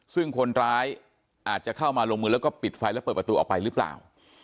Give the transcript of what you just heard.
ซึ่งคนร้ายอาจจะเข้ามาลงมือแล้วก็ปิดไฟแล้วเปิดประตูออกไปหรือเปล่า